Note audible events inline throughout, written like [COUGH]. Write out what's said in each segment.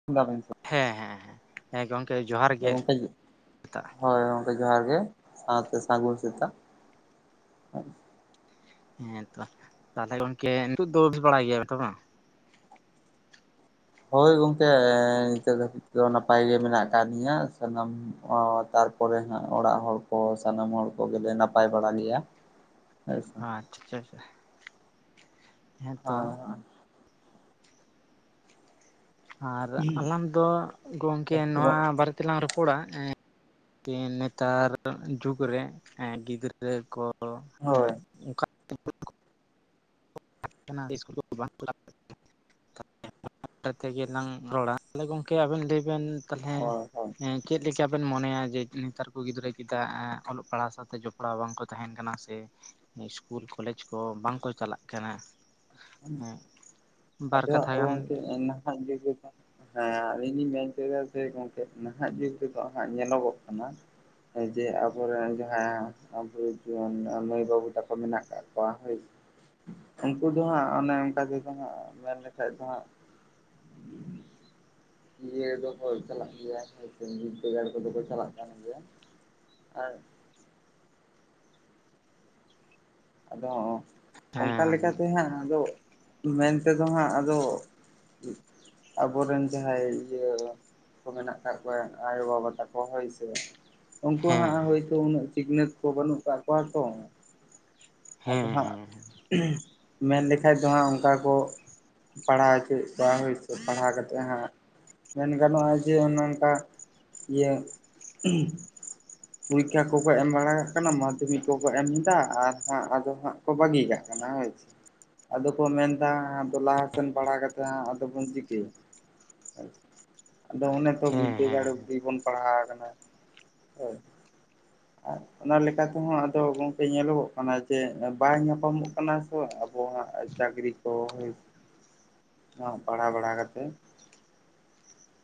[UNINTELLIGIBLE] ᱦᱮᱸ ᱦᱮᱸ ᱦᱮᱸ ᱜᱚᱢᱠᱮ ᱡᱚᱦᱟᱨ ᱜᱮ ᱜᱚᱝᱠᱮ [UNINTELLIGIBLE] ᱠᱟᱜᱼᱟ᱾ ᱦᱳᱭ ᱜᱚᱢᱠᱮ ᱡᱚᱦᱟᱨ ᱜᱮ ᱥᱟᱶᱛᱮ ᱥᱟᱹᱜᱩᱱ ᱥᱮᱛᱟᱜ᱾ ᱦᱮᱸ ᱛᱚ ᱛᱟᱦᱚᱞᱮ ᱜᱚᱝᱠᱮ ᱱᱤᱛᱚᱜ ᱫᱚ ᱵᱮᱥ ᱵᱟᱲᱟ ᱜᱮᱭᱟ ᱵᱤᱱ ᱛᱚ ᱵᱟᱝ? ᱦᱳᱭ ᱜᱚᱝᱠᱮ ᱱᱤᱛᱚᱜ ᱫᱷᱟᱹᱵᱤᱡ ᱫᱚ ᱱᱟᱯᱟᱭᱜ ᱜᱮ ᱢᱮᱱᱟᱜ ᱠᱟᱜ ᱜᱮᱭᱟ ᱥᱟᱱᱟᱢ ᱛᱟᱨᱯᱚᱨᱮ ᱦᱟᱸᱜ ᱚᱲᱟᱜ ᱦᱚᱲ ᱠᱚ ᱥᱟᱱᱟᱢ ᱦᱚᱲ ᱠᱚᱜᱮᱞᱮ ᱱᱟᱯᱟᱭ ᱵᱟᱲᱟ ᱜᱮᱭᱟ ᱦᱳᱭ᱾ ᱥᱮ ᱟᱪ ᱪᱷᱟ ᱪᱷᱟ᱾ ᱦᱮᱸᱛᱚ᱾ ᱟᱨ ᱟᱞᱟᱝ ᱫᱚ ᱜᱚᱢᱠᱮ ᱱᱚᱣᱟ ᱦᱳᱭ ᱵᱟᱨᱮ ᱛᱮᱞᱟᱝ ᱨᱚᱯᱚᱲᱟ ᱮᱸᱜ ᱠᱤ ᱱᱮᱛᱟᱨ ᱡᱩᱜ ᱨᱮ ᱜᱤᱫᱽᱨᱟᱹ ᱠᱚ ᱦᱳᱭ ᱦᱮᱸ ᱚᱝᱠᱟ [UNINTELLIGIBLE] ᱚᱱᱟ ᱤᱥᱠᱩᱞ ᱠᱚ ᱵᱟᱝ ᱪᱟᱞᱟᱜ [UNINTELLIGIBLE] [UNINTELLIGIBLE] ᱛᱮᱜᱞᱟᱝ ᱨᱚᱲᱟ ᱛᱟᱦᱞᱮ ᱜᱚᱝᱠᱮ ᱟᱵᱮᱱ ᱞᱟᱹᱭ ᱵᱮᱱ ᱛᱟᱦᱚᱞᱮ ᱦᱳᱭ ᱦᱳᱭ ᱪᱮᱫ ᱞᱮᱠᱟ ᱵᱮᱱ ᱢᱚᱱᱮᱭᱟ ᱡᱮ ᱱᱮᱛᱟᱨ ᱠᱚ ᱜᱤᱫᱽᱨᱟᱹ ᱪᱮᱫᱟᱜ ᱚᱞᱚᱜ ᱯᱟᱲᱦᱟᱣ ᱥᱟᱶᱛᱮ ᱡᱚᱯᱲᱟᱣ ᱵᱟᱝᱠᱚ ᱛᱟᱦᱮᱸᱱ ᱠᱟᱱᱟ ᱥᱮ ᱤᱥᱠᱩᱞ ᱠᱚᱞᱮᱡᱽ ᱠᱚ ᱵᱟᱝᱠᱚ ᱪᱟᱞᱟᱜ ᱠᱟᱱᱟ᱾ ᱦᱮᱸ ᱦᱮ ᱵᱟᱨ ᱟᱫᱚ ᱠᱟᱛᱷᱟ ᱜᱟᱱ ᱜᱚᱝᱠᱮ ᱱᱟᱦᱟᱸᱜ ᱡᱩᱜ ᱨᱮᱫᱚ ᱦᱮᱸ ᱟᱞᱤᱧ ᱞᱤᱧ ᱢᱮᱱ ᱦᱚᱪᱚᱭᱟ ᱡᱮ ᱜᱚᱝᱠᱮ ᱱᱟᱦᱟᱜ ᱡᱩᱜᱽ ᱛᱮᱫᱚ ᱦᱟᱸᱜ ᱧᱮᱞᱚᱜᱚᱜ ᱠᱟᱱᱟ ᱡᱮ ᱟᱵᱚᱨᱮᱱ ᱡᱟᱦᱟᱸ ᱟᱵᱚ ᱡᱩᱣᱟᱹᱱ ᱢᱟᱹᱭ ᱵᱟᱹᱵᱩ ᱛᱟᱠᱚ ᱢᱮᱱᱟᱜ ᱠᱟᱜ ᱠᱚᱣᱟ ᱦᱳᱭ ᱩᱝᱠᱩ ᱫᱚ ᱦᱟᱸᱜ ᱚᱱᱮ ᱚᱱᱠᱟ ᱛᱮᱫᱚ ᱦᱟᱸᱜ ᱢᱮᱱ ᱞᱮᱠᱷᱟᱡ ᱫᱚ ᱦᱟᱸᱜ ᱦᱸ ᱤᱭᱟᱹ ᱫᱚᱠᱚ ᱪᱟᱞᱟᱜ ᱜᱮᱭᱟ ᱦᱳᱭᱥᱮ ᱵᱤᱨᱤᱫᱽᱫᱟᱹᱜᱟᱲ ᱠᱚᱫᱚ ᱠᱚ ᱪᱟᱞᱟᱜ ᱠᱟᱱ ᱜᱮᱭᱟ, ᱟᱨ ᱟᱫᱚ ᱚᱱᱠᱟ ᱦᱮᱸ ᱞᱮᱠᱟᱛᱮ ᱦᱟᱸᱜ ᱟᱫᱚ ᱢᱮᱱ ᱛᱮᱫᱚ ᱦᱟᱸᱜ ᱟᱫᱚ ᱟᱵᱚᱨᱮᱱ ᱡᱟᱦᱟᱸᱭ ᱤᱭᱟᱹ ᱢᱮᱱᱟᱜ ᱠᱟᱜ ᱠᱚᱣᱟ ᱟᱭᱳᱼᱵᱟᱵᱟ ᱛᱟᱠᱚ ᱦᱚᱭᱥᱮ, ᱩᱱᱠᱩ ᱦᱮᱸ ᱦᱟᱸᱜ ᱦᱮᱸ ᱦᱳᱭᱛᱳ ᱩᱱᱟᱹᱜ ᱥᱤᱠᱷᱱᱟᱹᱛ ᱠᱚ ᱵᱟᱹᱱᱩᱜ ᱠᱟᱜ ᱠᱚᱣᱟ ᱛᱚ᱾ ᱟᱫᱚ ᱦᱮᱸ ᱦᱟᱸᱜ ᱦᱮᱸ ᱢᱮᱱ ᱞᱮᱠᱟᱡ ᱫᱚ ᱦᱟᱸᱜ ᱚᱱᱠᱟ ᱠᱚ ᱯᱟᱲᱦᱟᱣ ᱦᱚᱪᱚᱭᱮᱫ ᱠᱚᱭᱟ ᱦᱩᱭ ᱥᱮ ᱯᱟᱲᱦᱟᱣ ᱠᱟᱛᱮᱜ ᱦᱟᱸᱜ ᱢᱮᱱ ᱜᱟᱱᱚᱜᱼᱟ ᱡᱮ ᱚᱱᱮ ᱚᱝᱠᱟ ᱤᱭᱟᱹ ᱯᱚᱨᱤᱠᱷᱟ ᱠᱚᱠᱚ ᱮᱢ ᱵᱟᱲᱟ ᱠᱟᱱᱟ ᱢᱟᱫᱽᱫᱷᱚᱢᱤᱠ ᱠᱚᱠᱚ ᱮᱢ ᱫᱟ, ᱟᱨ ᱦᱟᱸ ᱟᱫᱚ ᱦᱟᱸᱜ ᱠᱚ ᱵᱟᱹᱜᱤ ᱠᱟᱜ ᱠᱟᱱᱟ ᱦᱳᱭᱥᱮ᱾ ᱟᱫᱚ ᱠᱚ ᱢᱮᱱᱫᱟ ᱟᱫᱚ ᱞᱟᱦᱟᱥᱮᱱ ᱯᱟᱲᱦᱟᱣ ᱠᱟᱛᱮ ᱟᱫᱚ ᱵᱚᱱᱱ ᱪᱤᱠᱟᱹᱭᱟ? ᱟᱫᱚ ᱚᱱᱮ ᱛᱚ ᱦᱮᱸ ᱦᱮᱸ ᱵᱤᱫᱟᱹᱜᱟᱲ ᱫᱷᱟᱵᱤᱡ ᱵᱚᱱ ᱯᱟᱲᱦᱟᱣ ᱠᱟᱱᱟ ᱦᱳᱭ᱾ ᱟᱨ ᱚᱱᱟ ᱞᱮᱠᱟ ᱛᱮᱦᱚᱸ ᱟᱫᱚ ᱜᱚᱝᱠᱮ ᱧᱮᱞᱚᱜᱚᱜ ᱚᱱᱟ ᱡᱮ ᱵᱟᱭ ᱧᱟᱯᱟᱢᱚᱜ ᱠᱟᱱᱟ ᱥᱮ ᱟᱵᱚᱣᱟᱜ ᱪᱟᱹᱠᱨᱤ ᱠᱚ ᱦᱳᱭ᱾ ᱦᱟᱸᱜ ᱯᱟᱲᱦᱟᱣ ᱵᱟᱲᱟ ᱠᱟᱛᱮᱫᱼᱼ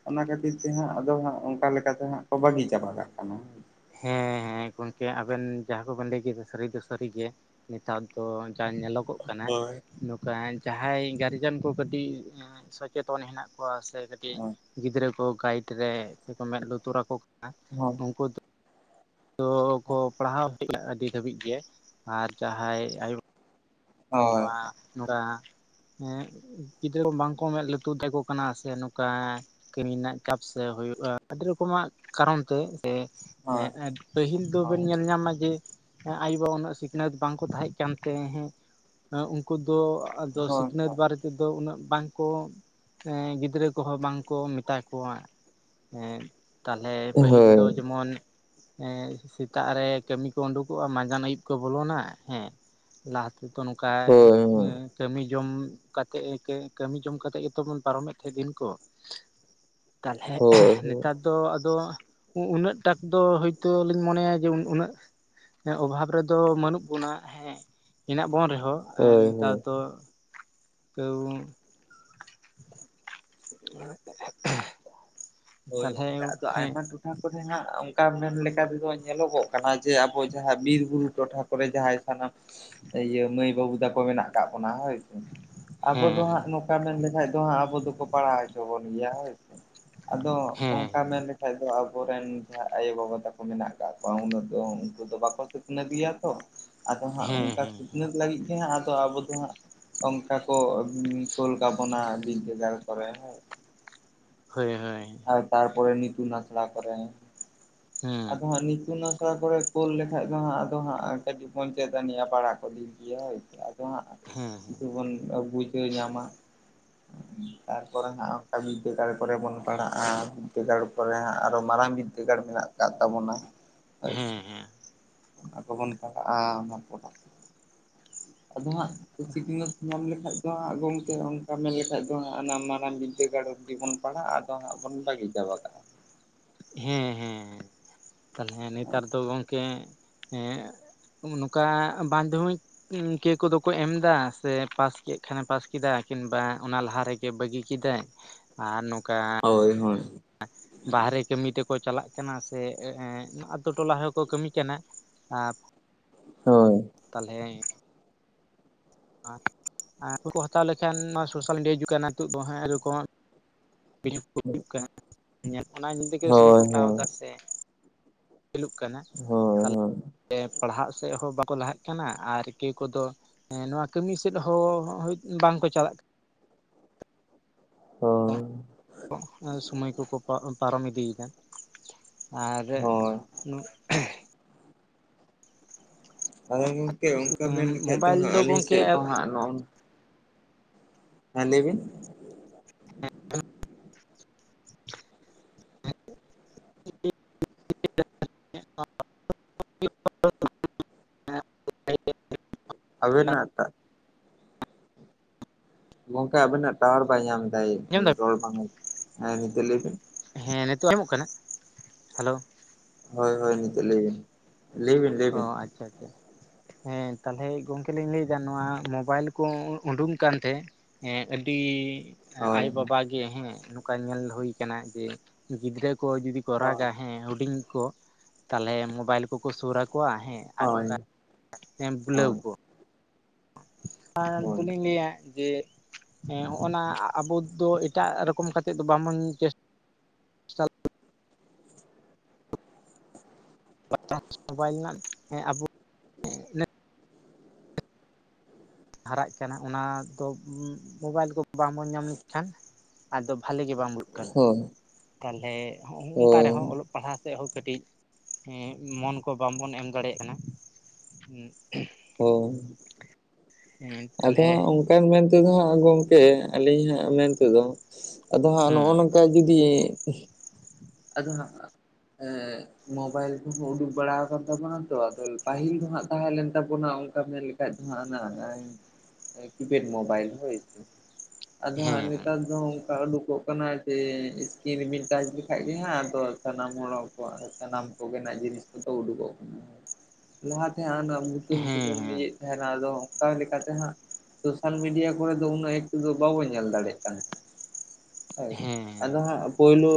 ᱚᱱᱟ ᱠᱷᱟᱹᱛᱤᱨ ᱛᱮ ᱦᱟᱸᱜ ᱟᱫᱚ ᱦᱟᱸᱜ ᱚᱱᱠᱟ ᱞᱮᱠᱟᱛᱮ ᱦᱟᱸᱜ ᱠᱚ ᱵᱟᱹᱜᱤ ᱪᱟᱵᱟ ᱠᱟᱜ ᱠᱟᱱᱟ ᱾ ᱦᱮᱸ ᱜᱚᱝᱠᱮ ᱟᱵᱮᱱ ᱡᱟᱦᱟᱸ ᱠᱚᱵᱮᱱ ᱞᱟᱹᱭ ᱠᱮᱫᱟ ᱥᱟᱹᱨᱤ ᱫᱚ ᱥᱟᱹᱨᱤ ᱜᱮᱼᱼ ᱱᱮᱛᱟᱨ ᱫᱚ ᱡᱟ ᱧᱮᱞᱚᱜᱼᱼ ᱧᱮᱞᱚᱜᱚᱜ ᱠᱟᱱᱟ ᱦᱳᱭ ᱱᱚᱝᱠᱟ ᱡᱟᱦᱟᱸᱭ ᱜᱟᱨᱡᱮᱱ ᱠᱚ ᱠᱟᱹᱴᱤᱡ ᱥᱚᱪᱮᱛᱚᱱ ᱦᱮᱱᱟᱜᱼᱼ ᱠᱚᱣᱟ ᱥᱮ ᱠᱟᱹᱴᱤᱡ ᱦᱳᱭ ᱜᱤᱫᱽᱨᱟᱹ ᱠᱚ ᱜᱟᱭᱤᱰ ᱨᱮ ᱥᱮ ᱠᱚ ᱢᱮᱸᱫ ᱞᱩᱛᱩᱨ ᱟᱠᱚ ᱠᱟᱱᱟᱼᱼ ᱦᱚᱸ ᱩᱱᱩᱠᱩ ᱫᱼᱼ ᱛᱚ ᱠᱚ ᱯᱟᱲᱦᱟᱣ ᱠᱮ ᱟᱹᱰᱤ ᱫᱷᱟᱹᱵᱤᱡ ᱜᱮ ᱟᱨ ᱡᱟᱦᱟᱸᱭ ᱟᱭᱳᱼᱼ ᱦᱳᱭ ᱵᱟᱵᱟ ᱠᱟᱼᱼ ᱦᱮᱸ ᱜᱤᱫᱽᱨᱟᱹ ᱵᱟᱝᱠᱚ ᱢᱮᱸᱫ ᱞᱩᱛᱩᱨ ᱠᱟᱠᱚ ᱠᱟᱱᱟ ᱥᱮ ᱱᱚᱝᱠᱟᱼᱼ ᱠᱟᱹᱢᱤ ᱨᱮᱱᱟᱜ ᱪᱟᱯᱥ ᱦᱩᱭᱩᱜ-ᱟ ᱟᱹᱰᱤ ᱨᱚᱠᱚᱢᱟᱜ ᱠᱟᱨᱚᱱ ᱛᱮ ᱥᱮ ᱦᱳᱭ ᱦᱮᱸ ᱮ ᱯᱟᱹᱦᱤᱞ ᱫᱚᱵᱮᱱ ᱧᱮᱞ ᱧᱟᱢᱟ ᱡᱮᱼᱼ ᱟᱭᱳ ᱵᱟᱵᱟ ᱩᱱᱟᱹᱜ ᱥᱤᱠᱷᱱᱟᱹᱛ ᱵᱟᱝᱠᱚ ᱛᱟᱦᱮᱸᱫ ᱠᱟᱱ ᱛᱮ ᱦᱮᱸᱼᱼ ᱟ ᱩᱱᱠᱩ ᱫᱚ ᱟᱫᱚ ᱦᱳᱭ ᱥᱤᱠᱷᱱᱟᱹᱛ ᱦᱳᱭ ᱵᱟᱨᱮᱛᱮᱼᱼ ᱩᱠᱩᱫᱚ ᱩᱱᱟᱹᱜ ᱵᱟᱝ ᱠᱚ ᱜᱤᱫᱽᱨᱟᱹ ᱠᱚᱦᱚᱸ ᱵᱟᱝ ᱠᱚ ᱢᱮᱛᱟ ᱠᱚᱣᱟ ᱾ ᱮᱸ ᱛᱟᱦᱞᱮ ᱯᱟᱹᱦᱤᱞ ᱦᱳᱭ ᱫᱚ ᱡᱮᱢᱚᱱᱼᱼ ᱦᱮᱸ ᱥᱮᱛᱟᱜ ᱨᱮ ᱠᱟᱹᱢᱤ ᱠᱚ ᱩᱰᱩᱠᱚᱜᱼᱟ ᱢᱟᱸᱡᱟᱱ ᱟᱹᱭᱩᱵ ᱠᱚ ᱵᱚᱞᱚᱱᱟ, ᱦᱮᱸᱼᱼ ᱞᱟᱦᱟ ᱛᱮᱫᱚ ᱱᱚᱝᱠᱟ ᱦᱳᱭ ᱦᱳᱭ ᱩᱸᱼᱺ ᱠᱟᱹᱢᱤ ᱡᱚᱢ ᱠᱟᱛᱮ ᱠᱟᱹᱢᱤ ᱡᱚᱢ ᱠᱟᱛᱮᱫ ᱜᱮᱛᱚ ᱵᱚᱱ ᱯᱟᱨᱚᱢᱮᱫ ᱛᱟᱦᱮᱸᱜ ᱫᱤᱱ ᱠᱚ ᱾ ᱛᱟᱦᱚᱞᱮ ᱮ ᱦᱳᱭ ᱱᱮᱛᱟᱨᱼᱼ ᱦᱚᱸ ᱟᱫᱚ ᱩᱱᱟᱹᱜ ᱴᱟᱜ ᱫᱚ ᱦᱚᱭᱛᱚ ᱞᱤᱧ ᱢᱚᱱᱮᱭᱟ ᱡᱮ ᱩᱱᱟᱹᱜᱼᱼ ᱚᱵᱷᱟᱵ ᱨᱮᱫᱚ ᱵᱟᱹᱱᱩᱜ ᱵᱚᱱᱟ ᱦᱮᱸ ᱦᱮᱱᱟᱜ ᱵᱚᱱ ᱨᱮᱦᱚᱸ ᱦᱳᱭ ᱱᱮᱛᱟᱨ ᱦᱳᱭ ᱫᱚᱼᱼ ᱛᱟᱹᱣ [UNINTELLIGIBLE] ᱦᱳᱭ ᱜᱚᱝᱠᱮ ᱟᱫᱚ ᱦᱮᱸ ᱟᱭᱢᱟ ᱴᱚᱴᱷᱟᱼᱼ ᱠᱚᱨᱮ ᱦᱟᱸᱜ ᱚᱱᱠᱟ ᱢᱮᱱ ᱞᱮᱠᱟ ᱛᱮᱫᱚ ᱧᱮᱞᱚᱜᱚᱜ ᱠᱟᱱᱟ ᱡᱮ ᱟᱵᱚ ᱡᱟᱦᱟᱸ ᱵᱤᱨ ᱵᱩᱨᱩ ᱴᱚᱴᱷᱟ ᱠᱚᱨᱮ ᱡᱟᱦᱟᱸᱭᱼᱼ ᱥᱟᱱᱟᱢ ᱤᱭᱟᱹ ᱢᱟᱹᱭ ᱵᱟᱹᱵᱩ ᱛᱟᱠᱚ ᱢᱮᱱᱟᱜ ᱟᱠᱟᱜ ᱵᱚᱱᱟ ᱦᱳᱭ ᱥᱮ, ᱟᱵᱚ ᱦᱮᱸ ᱫᱚ ᱦᱟᱸᱜᱼᱼ ᱦᱮᱸ ᱚᱱᱠᱟ ᱢᱮᱱ ᱞᱮᱠᱷᱟᱡ ᱫᱚ ᱦᱟᱸᱜ ᱟᱵᱚ ᱫᱚᱠᱚ ᱯᱟᱲᱦᱟᱣ ᱦᱚᱪᱚ ᱵᱚᱱ ᱜᱮᱭᱟ ᱦᱳᱭ ᱥᱮ ᱾ ᱟᱫᱚ ᱦᱮᱸ ᱚᱱᱠᱟ ᱢᱮᱱᱼᱼ ᱠᱷᱟᱡ ᱫᱚ ᱟᱵᱚᱨᱮᱱ ᱡᱟᱦᱟᱸ ᱟᱭᱳ ᱵᱟᱵᱟ ᱛᱟᱠᱚ ᱢᱮᱱᱟᱜ ᱠᱟᱜ ᱠᱚᱣᱟ ᱩᱱᱟᱹᱜ ᱫᱚ ᱩᱱᱠᱩ ᱫᱚ ᱵᱟᱠᱚ ᱥᱤᱠᱷᱱᱟᱹᱛ ᱜᱮᱭᱟ ᱛᱚ ᱾ ᱟᱫᱚ ᱦᱟᱸᱜ ᱦᱮᱸ ᱚᱱᱠᱟ ᱦᱮᱸ ᱥᱤᱠᱷᱱᱟᱹᱛ ᱞᱟᱹᱜᱤᱫ ᱜᱮ ᱦᱟᱸᱜ ᱟᱫᱚ ᱟᱵᱚ ᱫᱚ ᱦᱟᱸᱜᱼᱼ ᱚᱱᱠᱟ ᱠᱚ ᱠᱚᱞ ᱠᱟᱵᱚᱱᱟ ᱵᱤᱫᱽᱮᱜᱟᱲ ᱠᱚᱨᱮ ᱦᱮᱸ ᱾ ᱦᱚᱭ ᱦᱚᱭ ᱾ ᱟᱨ ᱛᱟᱨᱯᱚᱨ ᱱᱤᱛᱩᱱ ᱟᱥᱲᱟ ᱠᱚᱨᱮᱼᱼ ᱦᱮᱸ ᱟᱫᱚ ᱦᱟᱸᱜ ᱱᱤᱛᱩᱱ ᱟᱥᱲᱟ ᱠᱚᱨᱮ ᱠᱳᱞ ᱞᱮᱠᱷᱟᱱ ᱫᱚ ᱦᱟᱸᱜ ᱟᱫᱚ ᱦᱟᱸᱜ ᱠᱟᱹᱴᱤᱡ ᱵᱚᱱ ᱪᱮᱫ ᱟᱹᱱᱤᱡ ᱯᱟᱲᱦᱟᱜ ᱠᱚ ᱫᱤᱱ ᱾ ᱤᱭᱟᱹ ᱟᱫᱚ ᱦᱟᱸᱜ ᱦᱮᱸ ᱠᱤᱪᱷᱩ ᱵᱚᱱ ᱵᱩᱡᱷᱟᱹᱣ ᱧᱟᱢᱟ ᱾ ᱛᱟᱨᱯᱚᱨᱮ ᱦᱟᱸᱜ ᱚᱱᱠᱟ ᱵᱤᱫᱽᱫᱟᱹᱜᱟᱲ ᱠᱚᱨᱮ ᱵᱚᱱ ᱯᱟᱲᱦᱟᱜᱼᱟ, ᱵᱤᱫᱽᱫᱟᱹᱜᱟᱲ ᱠᱚᱨᱮ ᱦᱟᱸᱜ ᱟᱨᱚ ᱢᱟᱨᱟᱝ ᱵᱤᱫᱽᱫᱟᱹᱜᱟᱲ ᱢᱮᱱᱟᱜ ᱾ ᱦᱮᱱᱟᱜ ᱛᱟᱵᱚᱱᱟ ᱦᱮᱸ ᱟᱪᱪᱷᱟ, ᱦᱮᱸ ᱟᱫᱚ ᱵᱚᱱ ᱯᱟᱲᱦᱟᱜᱼᱟ ᱚᱱᱟᱠᱚᱫᱚ ᱾ ᱟᱫᱚ ᱦᱟᱸᱜ ᱥᱤᱠᱷᱱᱟᱹᱛ ᱧᱟᱢ ᱞᱮᱠᱟᱱ ᱫᱚ ᱦᱟᱸᱜ ᱜᱚᱢᱠᱮ ᱚᱱᱠᱟ ᱢᱮᱱ ᱞᱮᱠᱷᱟᱼᱼ ᱟᱹᱫᱚ ᱦᱟᱸᱜ ᱱᱟ ᱢᱟᱨᱟᱝ ᱵᱤᱫᱽᱫᱟᱹᱜᱟᱲ ᱨᱮᱜᱮ ᱵᱚᱱ ᱯᱟᱲᱦᱟᱜᱼᱟ ᱟᱫᱚ ᱦᱟᱸᱜ ᱵᱚᱱ ᱵᱟᱹᱜᱤ ᱪᱟᱵᱟ ᱠᱟᱜᱼᱟ ᱾ ᱦᱮᱸ ᱦᱮᱸ ᱛᱟᱞᱦᱮ ᱱᱮᱛᱟᱨ ᱫᱚ ᱜᱚᱝᱠᱮ ᱮᱸᱜ ᱱᱚᱠᱟ ᱵᱟᱝ ᱡᱚᱢᱤᱡ ᱼᱼ ᱤᱱᱠᱮ ᱠᱚᱫᱚᱠᱚ ᱮᱢ ᱫᱟ ᱥᱮ ᱯᱟᱥ ᱠᱮᱫ ᱠᱷᱟᱱᱮ ᱯᱟᱥ ᱠᱮᱫᱟ ᱠᱤᱱᱵᱟ ᱚᱱᱟ ᱞᱟᱦᱟ ᱨᱮ ᱵᱷᱟᱹᱜᱤ ᱠᱮᱫᱟᱭ ᱟᱨ ᱱᱚᱝᱠᱟ ᱦᱳᱭ-ᱦᱳᱭ ᱵᱟᱦᱨᱮ ᱠᱟᱹᱢᱤ ᱛᱮᱠᱚ ᱪᱟᱞᱟᱜ ᱠᱟᱱᱟ ᱥᱮ ᱮᱸᱜ ᱟᱛᱩ ᱴᱚᱞᱟ ᱦᱚᱸᱠᱚ ᱠᱟᱹᱢᱤ ᱠᱟᱱᱟ᱾ ᱟᱨ ᱦᱳᱭ ᱛᱟᱞᱦᱮ ᱟᱨ ᱠᱚ ᱦᱟᱛᱟᱣ ᱞᱮᱠᱷᱟᱱ ᱱᱚᱣᱟ ᱥᱳᱥᱟᱞ ᱢᱤᱰᱤᱭᱟ ᱡᱩᱜ ᱠᱟᱱᱟ ᱱᱤᱛᱚᱜ ᱫᱚ ᱦᱟᱸᱜ ᱮᱭᱨᱚᱠᱚᱢ ᱠᱚ ᱦᱩᱭᱩᱜ ᱠᱟᱱᱟ ᱚᱱᱟ ᱧᱮᱛᱮᱜᱮ ᱥᱚᱸᱝᱮ ᱦᱳᱭ ᱠᱚ ᱦᱛᱟᱣ ᱦᱳᱭ ᱫᱟ ᱥᱮ ᱯᱤᱞᱩᱜ ᱠᱟᱱᱟ ᱦᱳᱭ ᱯᱟᱲᱦᱟᱜ ᱥᱮᱜ ᱦᱚ ᱵᱟᱠᱚ ᱞᱟᱦᱟᱜ ᱠᱟᱱᱟ ᱟᱨ ᱠᱮ ᱠᱚᱫᱚ ᱦᱮᱸ ᱱᱚᱣᱟ ᱠᱟᱹᱢᱤ ᱥᱮᱫ ᱦᱚᱸ ᱦᱳ ᱵᱟᱝ ᱠᱚ ᱪᱟᱞᱟᱜ ᱠᱟᱱ ᱦᱳᱭ ᱟ ᱥᱚᱢᱚᱭ ᱠᱚᱠᱚ ᱯᱟᱨᱚᱢ ᱤᱫᱤᱭᱮᱫᱟ ᱟᱨ ᱦᱳᱭ ᱦᱳᱭ ᱱᱩ ᱟᱚᱭ ᱜᱚᱝᱠᱮ ᱚᱱᱠᱟ ᱢᱮᱱ ᱞᱮᱠᱷᱟᱡ ᱫᱚ ᱢᱳᱵᱟᱭᱤᱞ ᱦᱟᱸᱜ ᱟᱹᱞᱤᱧ ᱜᱚᱝᱠᱮ ᱥᱮᱫ ᱫᱚ ᱦᱟᱸᱜ ᱱᱚᱜ ᱦᱮᱸ ᱞᱟᱹᱭᱵᱤᱱ ᱵᱟᱝ ᱟᱸᱡᱚᱢ ᱴᱷᱤᱠᱟᱹᱜ ᱠᱟᱱᱟ ᱵᱟᱝ ᱟᱸᱡᱚᱢ ᱴᱷᱤᱠᱟᱹᱜ ᱠᱟᱱᱟ ᱟᱵᱤᱱᱟᱜ ᱛᱟᱜ ᱜᱚᱝᱠᱮ ᱟᱵᱤᱱᱟᱜ ᱴᱟᱣᱟᱨ ᱵᱟᱭ ᱧᱟᱢ ᱫᱟᱭ ᱟᱸᱡᱚᱢ ᱫᱟ ᱨᱚᱲ ᱵᱟᱝ ᱦᱮᱸ ᱱᱤᱛᱚᱜ ᱞᱟᱹᱭ ᱵᱤᱱ ᱦᱮᱸ ᱱᱤᱛᱚᱜ ᱟᱸᱡᱢᱚᱜ ᱠᱟᱱᱟ? ᱦᱟᱞᱳ ᱦᱳᱭ-ᱦᱳᱭ ᱱᱤᱛᱚᱜ ᱞᱟᱹᱭ ᱵᱤᱱ ᱞᱟᱹᱭ ᱵᱤᱱ ᱞᱟᱹᱭ ᱚ ᱵᱤᱱ ᱟᱪᱷᱟ-ᱟᱪᱷᱟ ᱦᱮᱸ ᱛᱟᱞᱦᱮ ᱜᱚᱝᱠᱮ ᱞᱤᱧ ᱞᱟᱹᱭᱮᱫᱟ ᱱᱚᱶᱟ ᱢᱚᱵᱟᱭᱤᱞ ᱠᱚ ᱩᱰᱩᱝ ᱠᱟᱱ ᱛᱮ ᱦᱮᱸ ᱟᱹᱰᱤᱻ ᱦᱳᱭ ᱟᱭᱳ-ᱵᱟᱵᱟ ᱜᱮ ᱦᱮᱸ ᱱᱚᱝᱠᱟ ᱧᱮᱞ ᱦᱩᱭ ᱠᱟᱱᱟ ᱡᱮ ᱜᱤᱫᱽᱨᱟᱹ ᱠᱚ ᱡᱩᱫᱤ ᱠᱚ ᱦᱳᱭ ᱨᱟᱜᱟ ᱦᱮᱸ ᱦᱩᱰᱤᱧ ᱠᱚ ᱛᱟᱞᱦᱮ ᱢᱳᱵᱟᱭᱤᱞ ᱠᱚᱠᱚ ᱥᱩᱨ ᱟᱠᱚᱣᱟ ᱦᱮᱸ ᱟᱨ ᱦᱳᱭ ᱚᱱᱠᱟ ᱵᱩᱞᱟᱹᱣ ᱦᱳᱭ ᱠᱚ ᱟᱨ ᱦᱳᱭ ᱫᱚᱞᱤᱧ ᱞᱟᱹᱭᱟ ᱡᱮᱻᱜ ᱦᱚᱸ ᱱᱟ ᱟᱵᱚ ᱫᱚ ᱮᱴᱟᱜ ᱨᱚᱠᱚᱢ ᱠᱟᱛᱮ ᱫᱚ ᱵᱟᱵᱚᱱ ᱪᱮᱥ ᱴᱟᱭᱟ ᱢᱳᱵᱟᱭᱤᱞ ᱨᱮᱱᱟᱜ ᱦᱮᱸ ᱟᱵᱚ ᱱᱮ ᱦᱟᱨᱟᱜ ᱠᱟᱱᱟ ᱚᱱᱟ ᱫᱚ ᱢᱳᱵᱟᱭᱤᱞ ᱠᱚ ᱵᱟᱝᱵᱚᱱ ᱧᱟᱢ ᱞᱮᱜᱠᱷᱟᱱ ᱟᱫᱚ ᱵᱷᱟᱞᱤ ᱜᱮ ᱵᱟᱝ ᱵᱩᱜ ᱠᱟᱱ ᱦᱳᱭ ᱛᱟᱞᱦᱮ ᱦᱚᱸᱜ ᱝᱠᱟ ᱦᱳᱭ ᱨᱮᱦᱚᱸ ᱚᱞᱚᱜ ᱯᱟᱲᱦᱟ ᱥᱮ ᱦᱚ ᱠᱟᱹᱴᱤᱡ ᱢᱚᱱ ᱠᱚ ᱵᱟᱝᱵᱚᱱ ᱮᱢ ᱫᱟᱲᱮᱭᱟᱜ ᱠᱟᱱᱟ᱾ ᱦᱳ ᱦᱩᱸ ᱟᱫᱚ ᱦᱟᱸᱜ ᱚᱱᱠᱟᱱ ᱢᱮᱱᱛᱮᱫᱚ ᱦᱟᱸᱜ ᱜᱚᱢᱠᱮ ᱟᱹᱞᱤᱧᱟᱜ ᱢᱮᱱ ᱛᱮᱫᱚ ᱟᱫᱚ ᱦᱟᱸᱜ ᱦᱮᱸ ᱱᱚᱦᱜ ᱱᱚᱝᱠᱟ ᱡᱩᱫᱤ ᱟᱫᱚ ᱦᱟᱸᱜ ᱮᱸᱻ ᱢᱳᱵᱟᱭᱤᱞ ᱠᱚᱦᱚᱸ ᱩᱰᱩᱠ ᱵᱟᱲᱟ ᱟᱠᱟᱱ ᱛᱟᱵᱚᱱᱟ ᱛᱚ ᱟᱫᱚ ᱯᱟᱹᱦᱤᱞ ᱫᱚ ᱦᱟᱸᱜ ᱛᱟᱦᱮᱸᱞᱮᱱ ᱛᱟᱵᱚᱱᱟ ᱚᱱᱠᱟ ᱢᱮᱱ ᱮᱠᱷᱟᱡ ᱫᱚ ᱦᱟᱸᱜ ᱟᱱᱟ-ᱟᱱᱟ ᱠᱤᱯᱮᱰ ᱢᱳᱵᱟᱭᱤᱞ ᱦᱚᱭ ᱥᱮ ᱟᱫᱚ ᱦᱟᱸ ᱦᱮᱸ ᱱᱮᱛᱟᱨ ᱫᱚ ᱚᱱᱠᱟ ᱩᱰᱩᱠᱚᱜ ᱠᱟᱱᱟ ᱡᱮ ᱥᱠᱤᱱᱨᱤᱼᱵᱤᱱ ᱴᱟᱡ ᱮᱠᱷᱟᱡ ᱜᱮ ᱦᱟᱸᱜ ᱟᱫᱚ ᱥᱟᱱᱟᱢ ᱦᱚᱲ ᱠᱚ ᱥᱟᱱᱟᱢ ᱠᱚᱜᱮᱱᱟᱜ ᱡᱤᱱᱤᱥ ᱠᱚᱫᱚ ᱩᱰᱩᱜᱚᱜ ᱠᱟᱱᱟ᱾ ᱞᱟᱦᱟ ᱛᱮᱦᱟᱸᱜ ᱚᱱᱟ ᱵᱩᱛᱟᱹᱢ ᱦᱮᱸ ᱛᱮᱵᱚᱱ ᱦᱮᱸ ᱤᱭᱟᱹᱭ ᱛᱟᱦᱮᱱᱟ ᱟᱫᱚ ᱚᱠᱟ ᱞᱮᱠᱟᱛᱮ ᱦᱟᱸᱜ? ᱥᱚᱥᱟᱞ ᱢᱤᱰᱤᱭᱟ ᱠᱚᱨᱮ ᱫᱚ ᱩᱱᱟᱹᱜ ᱮᱠᱴᱩ ᱫᱚ ᱵᱟᱵᱚ ᱧᱮᱞ ᱫᱟᱲᱮᱭᱟᱜ ᱠᱟᱱᱟ᱾ ᱦᱚᱭ ᱦᱮᱸ ᱟᱫᱚ ᱦᱟᱸᱜ ᱯᱳᱭᱞᱩ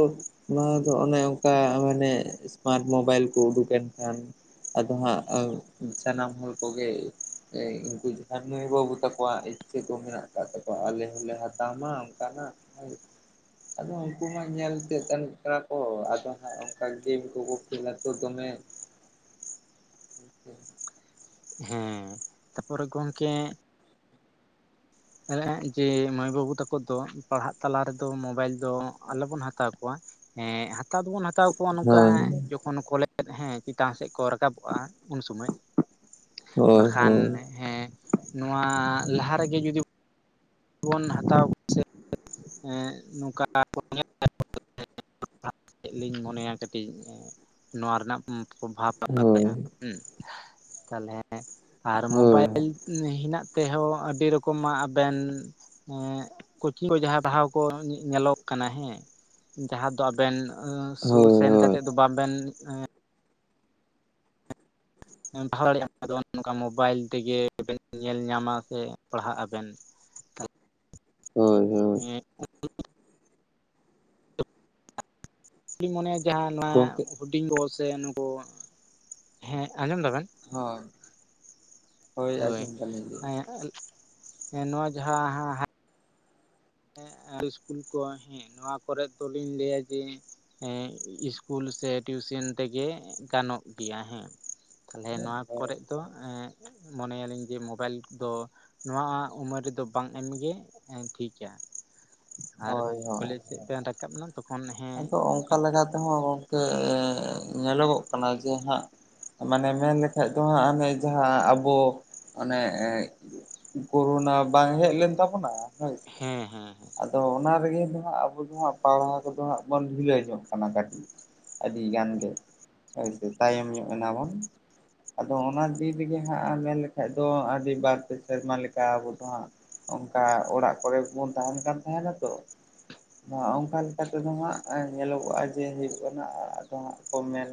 ᱱᱚᱣᱟᱫᱚ ᱚᱱᱮ ᱚᱱᱠᱟ ᱢᱟᱱᱮ ᱮᱥᱢᱟᱴ ᱢᱳᱵᱟᱭᱤᱞ ᱠᱚ ᱩᱰᱩᱠ ᱮᱱ ᱠᱷᱟᱱ ᱟᱫᱚ ᱦᱟᱸᱜ ᱥᱟᱱᱟᱢ ᱦᱚᱲ ᱠᱚᱜᱮ ᱩᱱᱠᱩ ᱡᱟᱦᱟᱸᱭ ᱢᱟᱹᱭ ᱵᱟᱹᱵᱩ ᱛᱟᱠᱚᱣᱟᱜ ᱤᱪᱪᱷᱟᱹ ᱠᱚ ᱢᱮᱱᱟᱜ ᱟᱠᱟᱫ ᱛᱟᱠᱚᱣᱟ ᱟᱞᱮ ᱦᱚᱸᱞᱮ ᱦᱟᱛᱟᱣ ᱢᱟ ᱚᱱᱠᱟᱱᱟᱜ ᱟᱫᱚ ᱩᱱᱠᱩ ᱢᱟ ᱧᱮᱞᱛᱮ ᱮᱢ ᱠᱟᱱᱟ [UNINTELLIGIBLE] ᱠᱚ ᱟᱫᱚ ᱦᱟᱸᱜ ᱚᱱᱠᱟ ᱜᱮᱢ ᱠᱚᱠᱚ ᱠᱷᱮᱞᱟ ᱛᱚ ᱫᱚᱢᱮ [INAUDIBLE] ᱦᱮᱸ ᱛᱟᱯᱚᱨᱮ ᱜᱚᱝᱠᱮ ᱦᱮᱸ ᱡᱮ ᱢᱟᱹᱭ ᱵᱟᱹᱵᱩ ᱛᱟᱠᱚ ᱫᱚ ᱯᱟᱲᱦᱟᱜ ᱛᱟᱞᱟ ᱨᱮᱫᱚ ᱢᱳᱵᱟᱭᱤᱞ ᱫᱚ ᱟᱞᱚᱵᱚᱱ ᱦᱟᱛᱟᱣ ᱠᱚᱣᱟ ᱮᱸ ᱦᱟᱛᱟᱣ ᱫᱚᱵᱚᱱ ᱦᱟᱛᱟᱣ ᱠᱚᱣᱟ ᱱᱚᱝᱠᱟ ᱦᱳᱭ ᱡᱚᱠ ᱠᱷᱚᱱ [UNINTELLIGIBLE] ᱠᱚᱞᱮᱫ [UNINTELLIGIBLE] ᱦᱮᱸ ᱪᱮᱛᱟᱱ ᱥᱮᱫ ᱠᱚ ᱨᱟᱠᱟᱵᱚᱜᱼᱟ ᱩᱱ ᱥᱳᱢᱚᱭ ᱦᱳᱭ ᱵᱟᱠᱷᱟᱱ ᱦᱳᱭ ᱦᱮᱸ ᱱᱚᱣᱟ ᱞᱟᱦᱟ ᱨᱮᱜᱮ ᱡᱩᱫᱤ ᱵᱚᱱ ᱦᱟᱛᱟᱣ ᱠᱚ ᱥᱮ ᱮᱸ ᱱᱚᱝᱠᱟ ᱵᱚᱱ ᱧᱮᱞ [UNINTELLIGIBLE] [UNINTELLIGIBLE] ᱠᱟᱛᱮ ᱞᱤᱧ ᱢᱚᱱᱮᱭᱟ ᱠᱟᱹᱴᱤᱡ ᱱᱚᱣᱟ ᱨᱮᱱᱟᱜ ᱯᱨᱚᱵᱷᱟᱵᱽ [UNINTELLIGIBLE] ᱦᱳᱭ ᱛᱟᱦᱚᱞᱮ ᱟᱨ ᱦᱳᱭ ᱢᱳᱵᱟᱭᱤᱞ ᱦᱮᱱᱟᱜ ᱛᱮᱦᱚᱸ ᱟᱹᱰᱤ ᱨᱚᱠᱚᱢᱟᱜ ᱟᱵᱮᱱ ᱮᱸ ᱠᱳᱪᱤᱝ ᱠᱚ ᱡᱟᱦᱟᱸᱭ ᱯᱟᱲᱦᱟᱣ ᱠᱚ ᱧᱮᱞᱚᱜ ᱠᱟᱱᱟ ᱦᱮᱸ ᱡᱟᱦᱟᱸ ᱫᱚ ᱟᱵᱮᱱ ᱥᱩᱨ ᱦᱳᱭ ᱥᱮᱱ ᱦᱳᱭ ᱠᱟᱛᱮᱫ ᱫᱚ ᱵᱟᱵᱮᱱ ᱯᱟᱲᱦᱟᱣ ᱫᱟᱲᱮᱭᱟᱜᱼᱟ᱾ ᱟᱫᱚ ᱚᱱ ᱱᱚᱝᱠᱟ ᱢᱳᱵᱟᱭᱤᱞ ᱛᱮᱜᱮ ᱵᱮᱱ ᱧᱮᱞ ᱧᱟᱢᱟ ᱥᱮ ᱯᱟᱲᱦᱟᱜ ᱟᱵᱮᱱ ᱦᱳᱭ ᱦᱳᱭ ᱦᱮᱸ [UNINTELLIGIBLE] ᱤᱧ ᱢᱚᱱᱮᱭᱟ ᱡᱟᱦᱟᱸ ᱱᱚᱣᱟ ᱜᱚᱢᱠᱮ ᱦᱩᱰᱤᱧ ᱵᱚᱞ [UNINTELLIGIBLE] ᱥᱮ ᱱᱩᱠᱩ ᱦᱮᱸ ᱟᱸᱡᱚᱢ ᱫᱟᱵᱮᱱ ᱦᱳᱭ ᱦᱳᱭ ᱟᱸᱡᱚᱢ ᱫᱟᱞᱤᱧ ᱮᱸᱜ ᱮᱸ ᱱᱚᱣᱟ ᱡᱟᱦᱟᱸ ᱦᱟᱸᱜ ᱮᱸ ᱤᱥᱠᱩᱞ ᱠᱚ ᱦᱮᱸ ᱱᱚᱣᱟ ᱠᱚᱨᱮᱫ ᱫᱚᱞᱤᱧ ᱞᱟᱹᱭᱟ ᱡᱮ ᱮᱸ ᱤᱥᱠᱩᱞ ᱥᱮ ᱴᱤᱭᱩᱥᱮᱱ ᱛᱮᱜᱮ ᱜᱟᱱᱚᱜ ᱜᱮᱭᱟ ᱦᱮᱸ ᱛᱟᱦᱚᱞᱮ ᱱᱚᱣᱟ ᱦᱳᱭ ᱠᱚᱨᱮ ᱫᱚ ᱮᱸ ᱢᱚᱱᱮᱭᱟᱞᱤᱧ ᱡᱮ ᱢᱳᱵᱟᱭᱤᱞ ᱠᱚᱫᱚ ᱱᱚᱣᱟ ᱩᱢᱟᱹᱨ ᱨᱮᱫᱚ ᱵᱟᱝ ᱮᱢᱜᱮ ᱮᱸ ᱴᱷᱤᱠ [UNINTELLIGIBLE] ᱟᱨ ᱦᱳᱭ ᱦᱳᱭ ᱠᱚᱞᱮᱡᱽ ᱥᱮᱫ ᱛᱮᱢ ᱨᱟᱠᱟᱵ ᱮᱱᱟ ᱛᱚᱠᱷᱚᱱ ᱦᱮᱸ ᱟᱫᱚ ᱚᱱᱠᱟ ᱞᱮᱠᱟ ᱛᱮᱦᱚᱸ ᱜᱚᱢᱠᱮ ᱧᱮᱞᱚᱜᱚᱜ ᱠᱟᱱᱟ ᱡᱮ ᱦᱟᱸᱜ ᱢᱟᱱᱮ ᱢᱮᱱ ᱞᱮᱠᱷᱟᱡ ᱫᱚ ᱦᱟᱸᱜ ᱦᱟᱱᱮ ᱡᱟᱦᱟᱸ ᱟᱵᱚ ᱚᱱᱮ ᱠᱳᱨᱳᱱᱟ ᱵᱟᱝ ᱦᱮᱡ ᱞᱮᱱ ᱛᱟᱵᱚᱱᱟ ᱦᱮᱸᱻᱦᱮᱸᱻ ᱛᱚ ᱚᱱᱟ ᱨᱮᱜᱮ ᱫᱚ ᱦᱟᱸᱜ ᱟᱵᱚ ᱫᱚ ᱦᱟᱸᱜ ᱯᱟᱲᱦᱟᱣ ᱠᱚᱫᱚ ᱦᱟᱸᱜ ᱵᱚᱱ ᱰᱷᱤᱞᱟᱹᱭ ᱧᱚᱜ ᱠᱟᱱᱟ ᱠᱟᱹᱴᱤᱡ ᱟᱹᱰᱤ ᱜᱟᱱ ᱜᱮ ᱦᱳᱭᱥᱮ ᱛᱟᱭᱚᱢ ᱧᱚᱜ ᱮᱱᱟ ᱵᱚᱱ ᱟᱫᱚ ᱚᱱᱟ ᱫᱤᱱ ᱨᱮᱜᱮ ᱦᱟᱸᱜ ᱢᱮᱱ ᱞᱮᱠᱷᱟᱡ ᱫᱚ ᱟᱹᱰᱤ ᱵᱟᱨ ᱯᱮ ᱥᱮᱨᱢᱟ ᱞᱮᱠᱟ ᱟᱵᱚ ᱫᱚ ᱦᱟᱸᱜ ᱚᱱᱠᱟ ᱚᱲᱟᱜ ᱠᱚᱨᱮ ᱜᱮᱵᱚᱱ ᱛᱟᱦᱮᱱ ᱠᱟᱱ ᱛᱟᱦᱮᱱᱟ ᱛᱚ ᱟᱫᱚ ᱦᱟᱸᱜ ᱚᱱᱠᱟ ᱞᱮᱠᱟ ᱛᱮᱫᱚ ᱦᱟᱸᱜ ᱮᱸ ᱧᱮᱞᱚᱜᱚᱜᱼᱟ ᱡᱮ ᱦᱩᱭᱩᱜ ᱠᱟᱱᱟ ᱟᱫᱚ ᱦᱟᱸᱜ ᱠᱚ ᱢᱮᱱ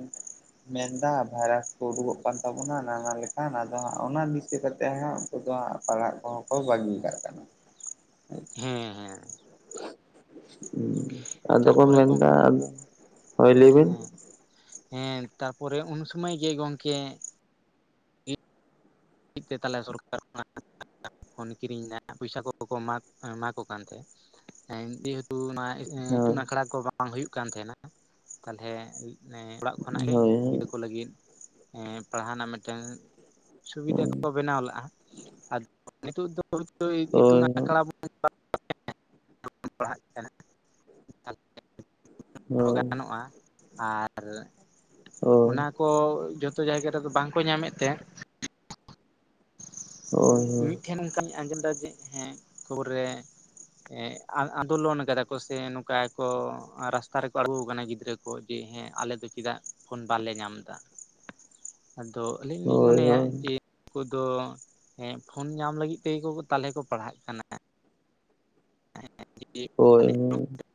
ᱢᱮᱱᱫᱟ ᱵᱷᱟᱭᱨᱟᱥ ᱠᱚ ᱩᱰᱩᱠᱚᱜ ᱠᱟᱱ ᱛᱟᱵᱚᱱᱟ ᱱᱟᱦᱟ ᱞᱮᱠᱟᱱ ᱟᱫᱚ ᱦᱟᱸᱜ ᱚᱱᱟ ᱫᱤᱥᱟᱹ ᱠᱟᱛᱮ ᱦᱟᱸᱜ ᱩᱱᱠᱩ ᱫᱚ ᱦᱟᱸᱜ ᱯᱟᱲᱦᱟᱜ ᱠᱚᱦᱚᱸ ᱠᱚ ᱵᱟᱹᱜᱤ ᱠᱟᱜ ᱠᱟᱱᱟ᱾ ᱦᱮᱸᱻᱦᱮᱸᱻ ᱟᱫᱚ ᱠᱚ ᱛᱟᱨᱯᱚᱨᱮ ᱢᱮᱱᱫᱟ, ᱜᱚᱝᱠᱮ ᱦᱳᱭ ᱞᱟᱹᱭ ᱵᱤᱱ ᱦᱮᱸ ᱦᱮᱸ ᱛᱟᱯᱚᱨᱮ ᱩᱱᱥᱩᱢᱟᱹᱭ ᱜᱮ ᱜᱚᱝᱠᱮ ᱞᱟᱹᱜᱤᱫ ᱛᱮ ᱛᱟᱞᱮ ᱥᱚᱨᱠᱟᱨ ᱠᱷᱚᱱᱟᱜ [UNINTELLIGIBLE] ᱯᱷᱳᱱ ᱠᱤᱨᱤᱧ ᱫᱟ ᱯᱚᱭᱥᱟ ᱠᱚᱠᱚ ᱮᱢᱟ ᱮᱢᱟ ᱠᱚ ᱠᱟᱱ ᱛᱮ ᱡᱮᱦᱮᱛᱩ ᱚᱱᱟ [UNINTELLIGIBLE] ᱮᱸ ᱦᱳᱭ ᱤᱛᱩᱱ ᱟᱠᱷᱲᱟ ᱠᱚ ᱵᱟᱝ ᱦᱩᱭᱩᱜ ᱠᱟᱱ ᱛᱟᱦᱮᱱᱟ ᱛᱟᱞᱦᱮ ᱮᱸ ᱚᱲᱟᱜ ᱠᱷᱚᱱᱟᱜ ᱜᱮ ᱜᱤᱫᱽᱨᱟᱹ ᱠᱚ ᱞᱟᱹᱜᱤᱫ ᱮᱸ ᱯᱟᱲᱦᱟᱣ ᱨᱮᱱᱟᱜ ᱢᱤᱫᱴᱮᱱ ᱥᱩᱵᱤᱫᱷᱟ ᱠᱚ ᱵᱮᱱᱟᱣ ᱞᱟᱜᱼᱟ ᱟᱫᱚ ᱱᱤᱛᱚᱜ ᱫᱚ ᱦᱭᱛᱳ [UNINTELLIGIBLE] ᱤᱛᱩᱱ ᱦᱳᱭ ᱟᱠᱥᱲᱟ ᱵᱚᱱ [UNINTELLIGIBLE] ᱯᱟᱲᱦᱟᱜ ᱠᱟᱱᱟ [UNINTELLIGIBLE] ᱦᱳᱭ ᱜᱟᱱᱚᱜᱼᱟ ᱟᱨ ᱚᱱᱟ ᱠᱚ ᱡᱚᱛᱚ ᱡᱟᱭᱜᱟ ᱨᱮᱫᱚ ᱵᱟᱝᱠᱚ ᱧᱟᱢᱮᱫ ᱛᱮᱼᱼ ᱦᱳᱭ ᱢᱤᱫ ᱴᱷᱮᱱ ᱚᱱᱠᱟᱧ ᱟᱸᱡᱚᱢ ᱫᱟ ᱡᱮ ᱦᱮᱸ ᱠᱷᱚᱵᱚᱨ ᱨᱮᱼᱼ ᱮᱸᱜ ᱟᱱᱫ ᱟᱱᱫᱳᱞᱚᱱ ᱠᱟᱫᱟ ᱠᱚ ᱥᱮ ᱱᱚᱝᱠᱟ ᱠᱚ ᱨᱟᱥᱛᱟ ᱨᱮᱠᱚ ᱟᱲᱜᱳ ᱠᱟᱱᱟ ᱜᱤᱫᱽᱨᱟᱹ ᱠᱚ᱾ ᱠᱚ ᱡᱮ ᱦᱮᱸ ᱟᱞᱮ ᱫᱚ ᱪᱮᱫᱟᱜ ᱯᱷᱳᱱ ᱵᱟᱞᱮ ᱧᱟᱢ ᱮᱫᱟ᱾ [UNINTELLIGIBLE] ᱟᱫᱚ ᱟᱹᱞᱤᱧ ᱞᱤᱧ ᱦᱳᱭ ᱦᱳᱭ ᱦᱳᱭ ᱦᱳᱭ ᱦᱳᱭ ᱢᱚᱱᱮᱭᱟ ᱡᱮ ᱩᱱᱠᱩ ᱫᱚᱼᱼ ᱦᱮᱸ ᱯᱷᱳᱱ ᱧᱟᱢ ᱞᱟᱹᱜᱤᱫ ᱛᱮᱜᱮ ᱠᱚ ᱛᱟᱞᱦᱮ ᱠᱚ ᱯᱟᱲᱦᱟᱜ ᱠᱟᱱᱟ᱾ ᱦᱳᱭ ᱟᱞᱮ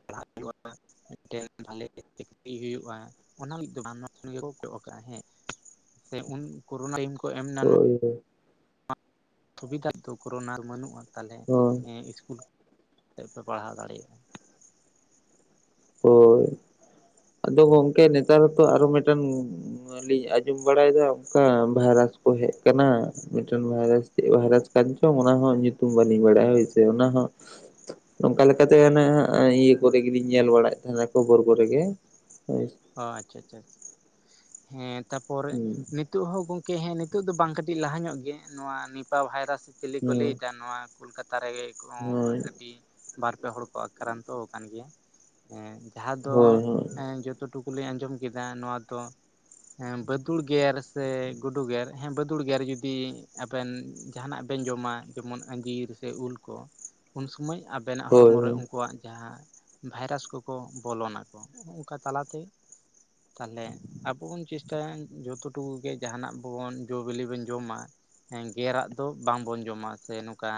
ᱯᱟᱲᱦᱟᱜ ᱦᱩᱭᱩᱜᱼᱟ [INAUDIBLE] ᱢᱤᱫᱴᱮᱱ ᱵᱷᱟᱞᱮ ᱪᱟᱹᱠᱨᱤ ᱦᱩᱭᱩᱜᱼᱟ ᱚᱱᱟ ᱞᱟᱹᱜᱤᱫ ᱫᱚ ᱵᱟᱝ ᱜᱮᱠᱚ ᱠᱚᱭᱚᱜ ᱠᱟᱜᱼᱟ᱾ ᱦᱮᱸ ᱥᱮ ᱩᱱ ᱠᱳᱨᱳᱱᱟ ᱴᱟᱭᱤᱢ ᱠᱚ ᱮᱢ ᱮᱱᱟ ᱱᱚᱣᱟᱼᱼ ᱦᱳᱭ ᱥᱩᱵᱤᱫᱟ ᱫᱚ ᱠᱳᱨᱳᱱᱟ ᱵᱟᱹᱱᱩᱜᱼᱟ ᱛᱟᱦᱚᱞᱮ ᱤᱥᱠᱩᱞ ᱠᱟᱛᱮ ᱯᱮ ᱯᱟᱲᱦᱟᱣ ᱫᱟᱲᱮᱭᱟᱜᱼᱟ᱾ ᱦᱳᱭ ᱟᱫᱚ ᱜᱚᱝᱠᱮ ᱱᱮᱛᱟᱨ ᱦᱚᱸ ᱛᱚ ᱟᱨᱚ ᱢᱮᱫᱴᱟᱱᱼᱼ ᱱᱚᱣᱟ ᱞᱤᱧ ᱟᱸᱡᱚᱢ ᱵᱟᱲᱟᱭ ᱫᱟ ᱚᱱᱠᱟ ᱵᱷᱟᱭᱨᱟᱥ ᱠᱚ ᱦᱮᱡ ᱠᱟᱱᱟ᱾ ᱢᱤᱴᱟᱝ ᱵᱷᱟᱭᱨᱟᱥ ᱪᱮᱫ ᱵᱷᱟᱭᱨᱟᱥ ᱠᱟᱱ ᱪᱚᱝ ᱚᱱᱟ ᱦᱚᱸ ᱧᱩᱛᱩᱢ ᱵᱟᱹᱞᱤᱧ ᱵᱟᱲᱟᱭ ᱦᱳᱭ ᱥᱮ ᱚᱱᱟ ᱦᱚᱸᱼᱼ ᱱᱚᱝᱠᱟ ᱞᱮᱠᱟᱛᱮ ᱚᱱᱮ ᱦᱟᱸᱜ ᱤᱭᱟᱹ ᱠᱚᱨᱮ ᱜᱮᱞᱤᱧ ᱧᱮᱞ ᱵᱟᱲᱟᱭ, ᱛᱟᱞᱦᱮ ᱠᱷᱳᱵᱳᱨ ᱠᱚᱨᱮ ᱜᱮ [INAUDIBLE] ᱚ ᱟᱪᱪᱷᱟ ᱟᱪᱪᱷᱟ ᱦᱮᱸ ᱛᱟᱯᱚᱨᱮᱼᱼ ᱦᱩᱸ ᱱᱤᱛᱚᱜ ᱦᱚᱸ ᱜᱚᱝᱠᱮ ᱦᱮᱸ ᱱᱤᱛᱚᱜ ᱫᱚ ᱵᱟᱝ ᱠᱟᱹᱴᱤᱡ ᱞᱟᱦᱟ ᱧᱚᱜ ᱜᱮ ᱱᱚᱣᱟ ᱱᱤᱯᱟ ᱵᱷᱟᱭᱨᱟᱥᱼᱼ ᱪᱤᱞᱤ ᱠᱚ ᱦᱩᱸ ᱞᱟᱹᱭ ᱫᱟ ᱱᱚᱣᱟ ᱠᱳᱞᱠᱟᱛᱟ ᱨᱮᱜᱮ ᱠᱚᱦᱚᱸ ᱦᱳᱭ ᱟᱹᱰᱤᱼᱼ ᱵᱟᱨ ᱯᱮ ᱦᱚᱲ ᱠᱚ ᱟᱠᱨᱟᱱᱛᱚ ᱟᱠᱟᱱ ᱜᱮᱭᱟ ᱡᱟᱦᱟᱸ ᱫᱚᱼᱼ ᱦᱳᱭ ᱦᱳᱭ ᱡᱚᱛᱚ ᱴᱩᱠᱩ ᱞᱤᱧ ᱟᱸᱡᱚᱢ ᱠᱮᱫᱟ ᱱᱚᱣᱟ ᱫᱚ ᱼᱼ ᱦᱮᱸ ᱵᱟᱹᱫᱩᱲ ᱜᱮᱨ ᱥᱮ ᱜᱩᱰᱩ ᱜᱮᱨ ᱦᱮᱸ ᱵᱟᱹᱫᱩᱲ ᱜᱮᱨ ᱡᱩᱫᱤ ᱟᱵᱮᱱᱼᱼ ᱡᱟᱦᱟᱱᱟᱜ ᱵᱮᱱ ᱡᱚᱢᱟ ᱡᱮᱢᱚᱱ ᱟᱸᱡᱤᱨ ᱥᱮ ᱩᱞ ᱠᱚ ᱩᱱ ᱥᱚᱢᱚᱭ ᱟᱵᱮᱱᱼᱼ ᱟᱵᱮᱱᱟᱜ ᱦᱚᱲᱢᱚ ᱨᱮ ᱦᱳᱭ ᱩᱱᱠᱩᱣᱟᱜ ᱡᱟᱦᱟᱸ ᱵᱷᱟᱭᱨᱟᱥ ᱠᱚᱠᱚ ᱵᱚᱞᱚᱱᱟ ᱠᱚ, ᱛᱟᱞᱟᱛᱮ, ᱛᱟᱦᱚᱞᱮ ᱟᱵᱚ ᱵᱚᱱ ᱪᱮᱥᱴᱟᱭᱟ ᱡᱚᱛᱚ ᱴᱩᱠᱩ ᱜᱮ ᱡᱟᱦᱟᱱᱟᱜ ᱵᱚᱱ ᱡᱚᱼᱵᱤᱞᱤ ᱵᱚᱱ ᱡᱚᱢᱟᱼᱼ ᱦᱮᱸ ᱜᱮᱨᱟᱜ ᱫᱚ ᱵᱟᱝ ᱵᱚᱱ ᱡᱚᱢᱟ ᱥᱮ ᱱᱚᱝᱠᱟᱼᱼ